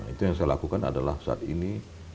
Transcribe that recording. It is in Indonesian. itu yang saya lakukan adalah saat ini